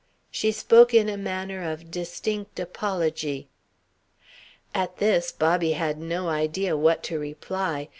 She spoke in a manner of distinct apology. At this Bobby had no idea what to reply.